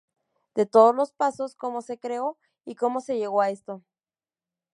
De todos los pasos, cómo se creó y cómo se llegó a esto.